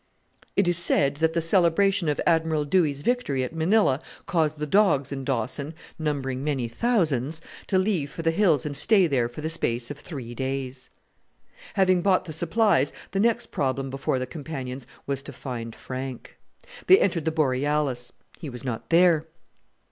It is said that the celebration of Admiral Dewey's victory at Manilla caused the dogs in Dawson, numbering many thousands, to leave for the hills and stay there for the space of three days! Having bought the supplies, the next problem before the companions was to find Frank. They entered the Borealis: he was not there.